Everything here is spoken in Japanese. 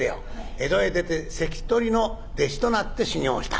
江戸へ出て関取の弟子となって修業した。